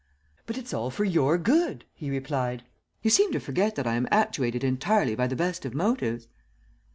"'But it's all for your good,' he replied. 'You seem to forget that I am actuated entirely by the best of motives.'